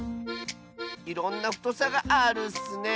いろんなふとさがあるッスね。